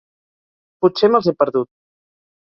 Potser me"ls he perdut.